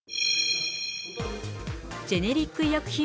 ジェネリック医薬品